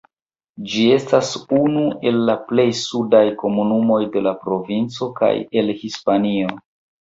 Ĝi estas unu el la plej sudaj komunumoj de la provinco kaj el Hispanio.